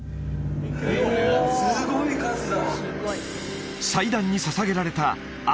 すごい数だ